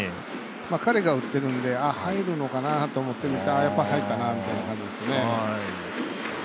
彼が打ってるんで入るのかなと思って見たらやっぱ、入ったなみたいな感じですね。